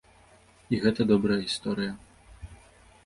І гэта добрая гісторыя.